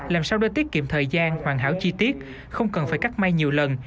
làm sao để tiết kiệm thời gian hoàn hảo chi tiết không cần phải cắt may nhiều lần